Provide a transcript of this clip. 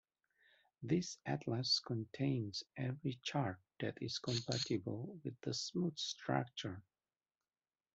This atlas contains every chart that is compatible with the smooth structure.